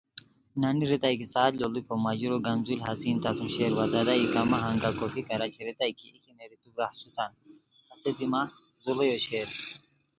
نانی ریتائے کی ساعت لوڑیکی مہ ژوروتے’’ گنځول حسین‘‘( کنز الحسن) تہ سُم شیر وا ! دادا ای کما ہنگہ کھوپیکار اچی ریتائے کی اے کیمیری تو براخچوسان ہسے دی مہ زوڑئیو شیر